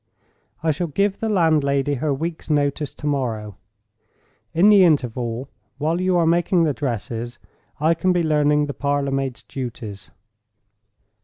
I shall give the landlady her week's notice to morrow. In the interval, while you are making the dresses, I can be learning the parlor maid's duties.